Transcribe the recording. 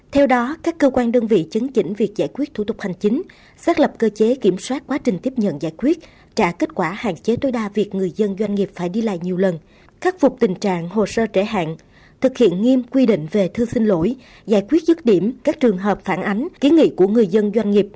theo đó các cơ quan đơn vị chứng chỉnh việc giải quyết thủ tục hành chính xác lập cơ chế kiểm soát quá trình tiếp nhận giải quyết trả kết quả hạn chế tối đa việc người dân doanh nghiệp phải đi lại nhiều lần khắc phục tình trạng hồ sơ trễ hạn thực hiện nghiêm quy định về thư xin lỗi giải quyết dứt điểm các trường hợp phản ánh ký nghị của người dân doanh nghiệp